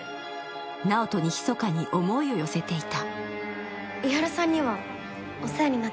直人にひそかに思いを寄せていた。